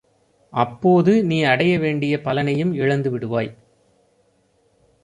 அப்போது நீ அடையவேண்டிய பலனையும் இழந்து விடுவாய்.